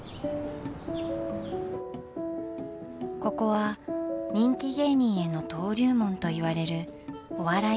ここは人気芸人への登竜門といわれるお笑い劇場。